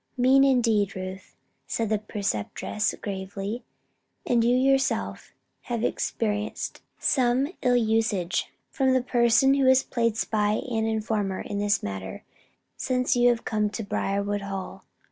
"Mean indeed, Ruth," said the Preceptress, gravely. "And you have yourself experienced some ill usage from the person who has played spy and informer in this matter, since you have come to Briarwood Hall.